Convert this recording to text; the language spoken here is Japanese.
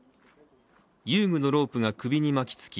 遊具のロープが首に巻きつき